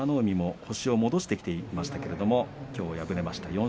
海も星を戻してきていますけれどもきょう敗れました。